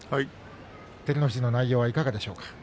照ノ富士の内容は、いかがですか。